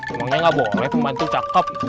emangnya gak boleh pembantu cakep